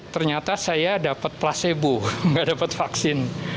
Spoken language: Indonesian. ternyata saya dapat placebo nggak dapat vaksin